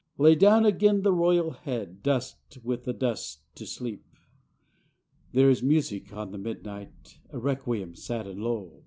Lay down again the royal head, Dust with the dust to sleep! There is music on the midnight, — A requiem sad and slow.